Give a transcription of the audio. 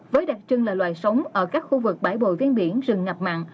với đặc trưng là loài sống ở các khu vực bãi bồi ven biển rừng ngập mặn